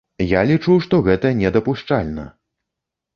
Я лічу, што гэта недапушчальна!